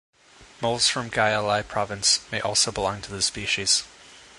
Moles from Gia Lai Province may also belong to this species.